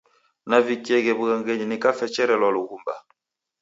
Navikieghe wughangenyi nikafecherelwa lughumba.